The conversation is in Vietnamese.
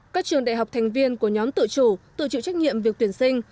các trường đại học thành viên của nhóm tự chủ tự chịu trách nhiệm việc tuyển sinh